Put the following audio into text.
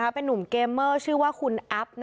เป็นนุ่มเกมเมอร์ชื่อว่าคุณอัพ